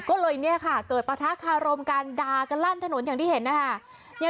ก็เลยเนี่ยค่ะเกิดปะทะคารมการดากันลั่นถนนอย่างที่เห็นนะคะ